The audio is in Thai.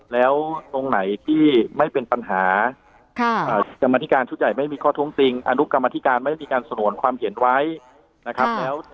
แล้วตรงไหนที่ไม่เป็นปัญหากรรมธิการชุดใหญ่ไม่มีข้อท้วงติงอนุกรรมธิการไม่ได้มีการสนวนความเห็นไว้นะครับ